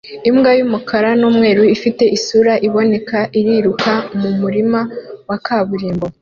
Imbwa y'umukara n'umweru ifite isura iboneka iriruka mu murima wa kaburimbo